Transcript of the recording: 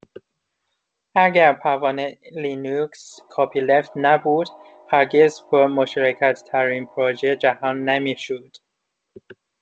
اگر پروانه لینوکس کپیلفت نبود هرگز پر مشارکتترین پروژه جهان نمیشد